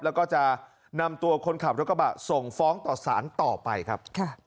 แล้วก็จะนำตัวคนขับรถกระบะส่งฟ้องต่อสารต่อไปครับ